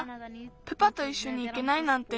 プパといっしょにいけないなんて。